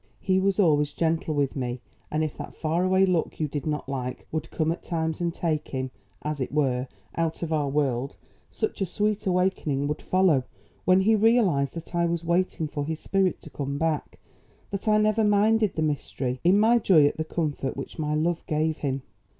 He was always gentle with me and if that far away look you did not like would come at times and take him, as it were, out of our world, such a sweet awakening would follow when he realised that I was waiting for his spirit to come back, that I never minded the mystery, in my joy at the comfort which my love gave him."